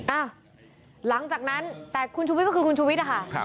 อ่ะหลังจากนั้นแต่คุณชุวิตก็คือคุณชุวิตอะค่ะ